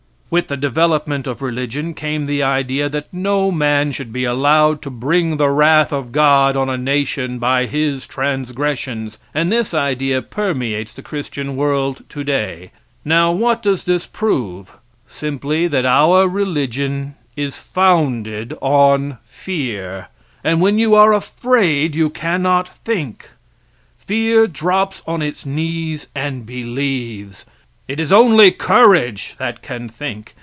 With the development of religion came the idea that no man should be allowed to bring the wrath of God on a nation by his transgressions, and this idea permeates the Christian world today. Now what does this prove? Simply that our religion is founded on fear, and when you are afraid you cannot think. Fear drops on its knees and believes. It is only courage that can think.